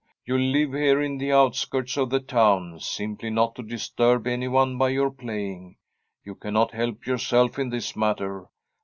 You 'live here in the outskirts of the town simply not to disturb anyone by your playing. You cannot help yourself in this matter.